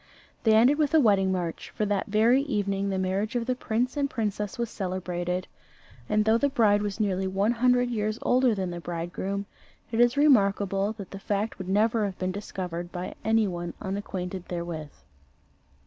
They ended with a wedding march: for that very evening the marriage of the prince and princess was celebrated, and though the bride was nearly one hundred years older than the bridegroom, it is remarkable that the fact would never have been discovered by any one unacquainted therewith.